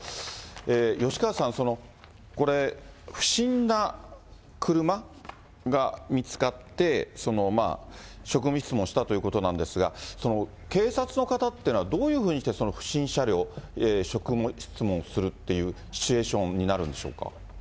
吉川さん、これ、不審な車が見つかって、職務質問したということなんですが、警察の方っていうのは、どういうふうにして不審車両、職務質問するっていうシチュエーションになるんでしょうか。